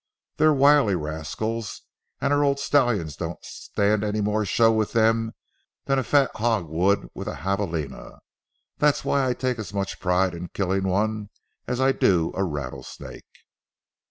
They're wiry rascals, and our old stallions don't stand any more show with them than a fat hog would with a javaline. That's why I take as much pride in killing one as I do a rattlesnake."